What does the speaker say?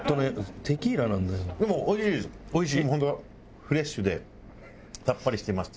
でもおいしいです。